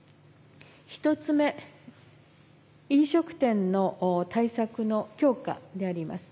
１つ目、飲食店の対策の強化であります。